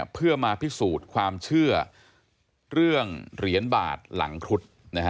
เพื่อมาพิสูจน์ความเชื่อเรื่องเหรียญบาทหลังครุฑ